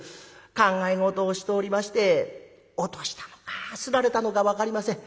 考え事をしておりまして落としたのかすられたのか分かりません。